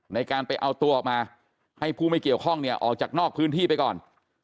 ในการไปเอาตัวออกมาให้ผู้ไม่เกี่ยวข้องเนี่ยออกจากนอกพื้นที่ไปก่อน